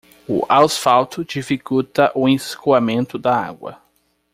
O asfalto dificulta o escoamento da água.